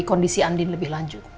kondisi andin lebih lanjut